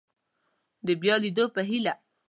د بیا لیدو په هیله